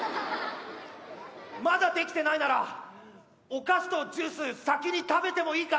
まだできてないならお菓子とジュース先に食べてもいいかな？